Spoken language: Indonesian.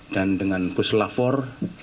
dan dengan pusul lapor